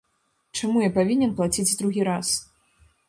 Чаму я павінен плаціць другі раз?